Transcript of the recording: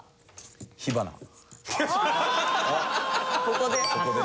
ここで？